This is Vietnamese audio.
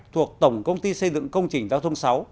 thuộc tổng công ty xây dựng công trình giao thông sáu